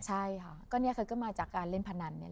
ใช่ค่ะก็เนี่ยคือก็มาจากการเล่นพนันเนี่ย